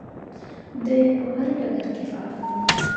دوی په هر ډګر کې فعالې دي.